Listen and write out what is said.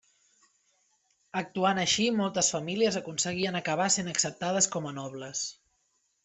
Actuant així, moltes famílies aconseguien acabar sent acceptades com a nobles.